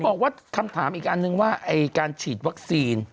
บอกว่าคำถามอีกอันนึงว่าการฉีดวัคซีน